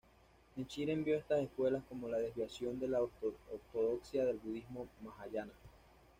Nichiren vio estas escuelas como la desviación de la ortodoxia del budismo mahayana.